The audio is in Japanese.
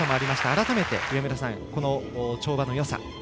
改めて、この跳馬のよさ